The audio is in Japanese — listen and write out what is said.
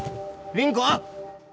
凛子！